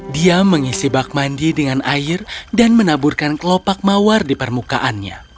dia mengisi bak mandi dengan air dan menaburkan kelopak mawar di permukaannya